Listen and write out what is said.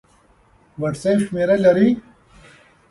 وټس اپ شمېره لرئ؟